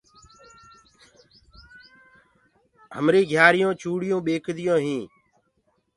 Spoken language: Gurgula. همري گھيآريونٚ چوڙيونٚ ٻيڪديونٚ هينٚ